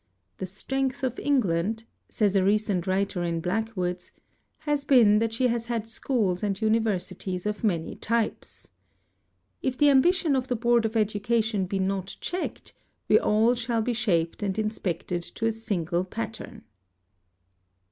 "The strength of England," says a recent writer in Blackwood's, "has been that she has had schools and universities of many types. ... If the ambition of the Board of Education be not checked we shall all be shaped and inspected to a single pattern."